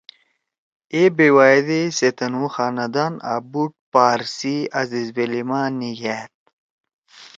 اے بیوا ئے دے سے تنُو خاندان آں بُوڑ پارسی عزیزویلی ما نیگھأد